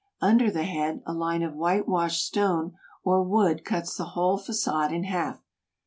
Under the head, a line of whitewashed stone or wood cuts the whole fagade in half.